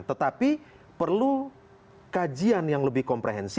tetapi perlu kajian yang lebih komprehensif